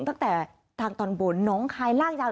ตั้งแต่ทางตอนบนน้องคายลากยาว